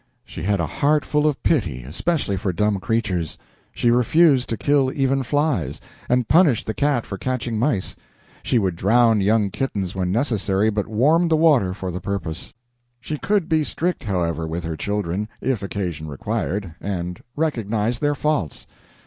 She had a heart full of pity, especially for dumb creatures. She refused to kill even flies, and punished the cat for catching mice. She would drown young kittens when necessary, but warmed the water for the purpose. She could be strict, however, with her children, if occasion required, and recognized their faults.